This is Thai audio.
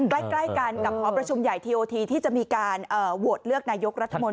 ใกล้กันกับหอประชุมใหญ่ทีโอทีที่จะมีการโหวตเลือกนายกรัฐมนตรี